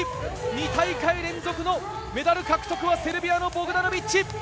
２大会連続のメダル獲得はセルビアのボクダノビッチ。